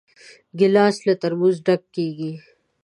ګیلاس له ترموزه ډک کېږي.